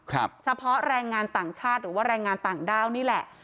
ครับเฉพาะแรงงานต่างชาติหรือว่าแรงงานต่างด้าวนี่แหละ